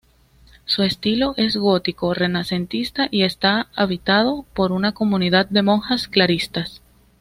Su estilo es gótico-renacentista y está habitado por una comunidad de monjas clarisas.